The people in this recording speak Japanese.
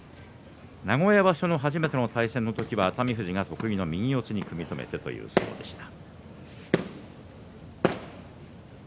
名古屋場所の初めての対戦は熱海富士には得意の右四つで組み止めての相撲でした。